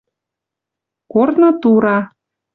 Корны тура —